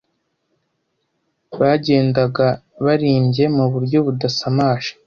Bagendaga barimbye mu buryo budasamaje